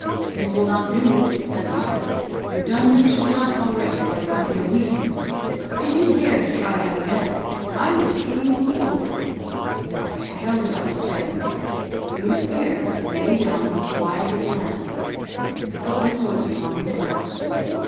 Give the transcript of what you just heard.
'This will not do,' says I; 'you've done mischief enough already by cutting your weasand! If you dare to try that again, I will kill you with the oar.' I held it up to threaten him; he was scared, and lay down as quiet as a lamb. I put my foot upon his breast.